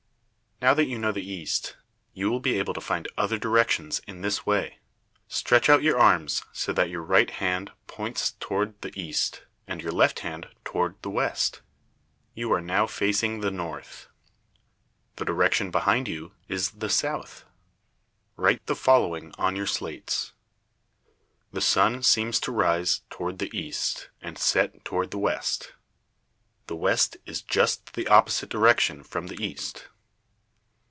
Now that you know the east, you will be able to find other directions in this way: Stretch out your arms so that your right hand points toward the east, and your left hand toward the west. You are now facing the north. The direction behind you is the south. [Illustration: "YOU ARE NOW FACING THE NORTH."] Write the following on your slates: The sun seems to rise toward the east, and set toward the west. The west is just the opposite direction from the east.